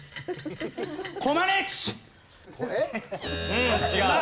うん違う。